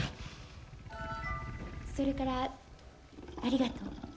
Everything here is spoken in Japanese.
それから、ありがとう。